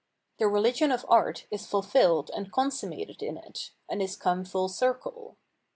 The religion of art is ful filled and consummated in it, and is come fuU circle.